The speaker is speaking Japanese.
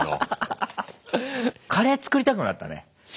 ハハハハハ！カレー作りたくなったね！